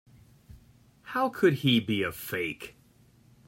How could he be a fake?